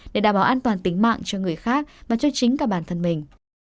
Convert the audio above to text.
để đảm bảo an toàn tính mạng cho người khác và cho chính cả bản thân mình